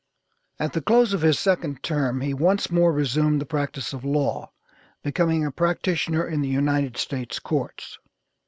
At the close of his second term he once more resumed the practice of law, becoming a practitioner in the United States Courts.